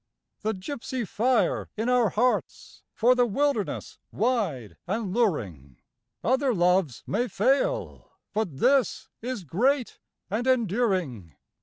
The gypsy fire in our hearts for the wilderness wide and luring; Other loves may fail but this is great and enduring.